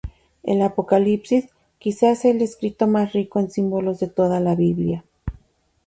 El "Apocalipsis" quizás sea el escrito más rico en símbolos de toda la Biblia.